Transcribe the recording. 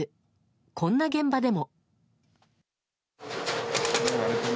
こんな現場でも。